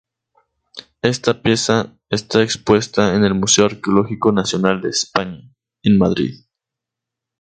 Esta pieza está expuesta en el Museo Arqueológico Nacional de España, en Madrid.